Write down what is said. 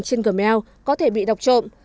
trên gmail có thể bị đọc trộm